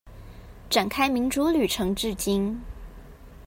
展開民主旅程至今